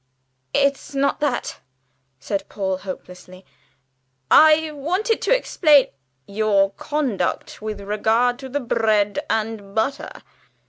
"It's not that," said Paul hopelessly; "I wanted to explain " "Your conduct with regard to the bread and butter?